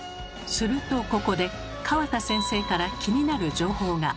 するとここで河田先生から気になる情報が。